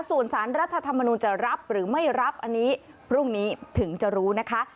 ส่วนสารรัฐธรรมนุนจะรับหรือไม่รับอันนี้พรุ่งนี้ถึงจะรู้นะคะ